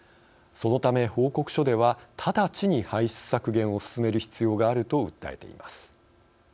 そのため報告書では直ちに排出削減を進める必要があると訴えています。